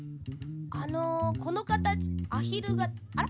あのこのかたちアヒルがあら？